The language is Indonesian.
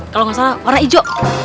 kalau enggak salah warna ijo